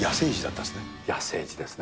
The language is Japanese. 野生児ですね。